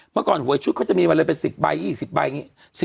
เมื่อก่อนหวยชุดเขาจะมีเวลาเป็น๑๐ใบ๒๐ใบ